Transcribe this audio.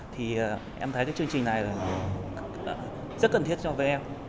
thì em thấy cái chương trình này là rất cần thiết cho với em